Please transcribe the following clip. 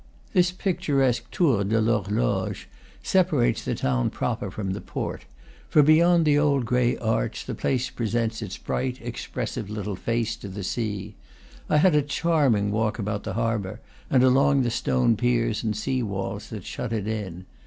This picturesque Tour de l'Horloge separates the town proper from the port; for beyond the old gray arch, the place presents its bright, expressive little face to the sea. I had a charming walk about the harbor, and along the stone piers and sea walls that shut it in.